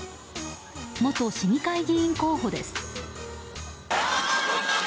元市議会議員候補です。